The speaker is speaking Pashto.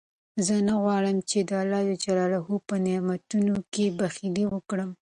زه نه غواړم چې د الله په نعمتونو کې بخل وکړم.